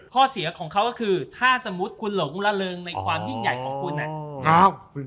ข้อเสียของเขาก็คือถ้าสมมุติคุณหลงละเริงในความยิ่งใหญ่ของคุณ